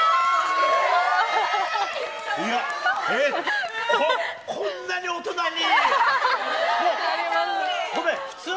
いや、こんなに大人に？